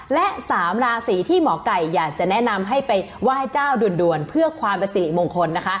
และสามราศีที่หมอกัยอยากจะแนะนำให้ไปไหว้เจ้าดุลดุลเพื่อความศักดิ์สิทธิ์มงคลนะคะ